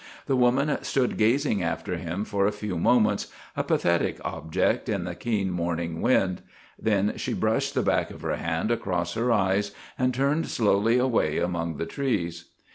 The woman stood gazing after him for a few moments, a pathetic object in the keen morning wind. Then she brushed the back of her hand across her eyes and turned slowly away among the trees.